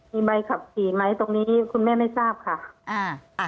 มีใบขับขี่ไหมตรงนี้คุณแม่ไม่ทราบค่ะอ่า